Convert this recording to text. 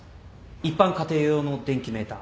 一般家庭用の電気メーター